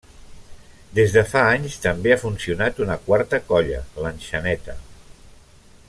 Des de fa anys també ha funcionat una quarta colla, l'Enxaneta.